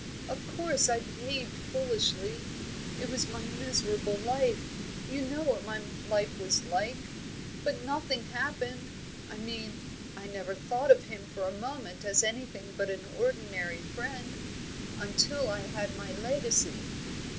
Of course I behaved foolishly. It was my miserable life you know what my life was. But nothing happened I mean, I never thought of him for a moment as anything but an ordinary friend until I had my legacy."